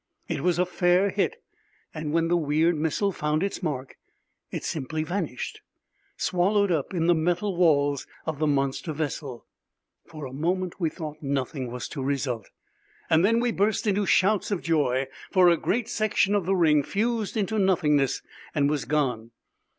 It was a fair hit and, when the weird missile found its mark, it simply vanished swallowed up in the metal walls of the monster vessel. For a moment we thought nothing was to result. Then we burst into shouts of joy, for a great section of the ring fused into nothingness and was gone!